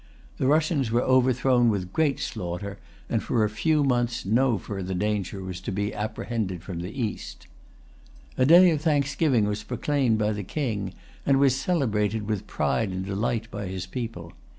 The Russians were[Pg 319] overthrown with great slaughter; and for a few months no further danger was to be apprehended from the East. A day of thanksgiving was proclaimed by the King, and was celebrated with pride and delight by his people.